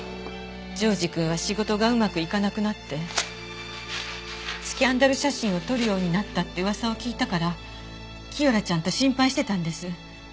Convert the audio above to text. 譲士くんは仕事がうまくいかなくなってスキャンダル写真を撮るようになったって噂を聞いたからキヨラちゃんと心配してたんです。